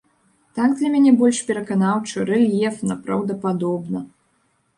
Так для мяне больш пераканаўча, рэльефна, праўдападобна.